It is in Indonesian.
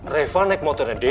reva naik motornya dian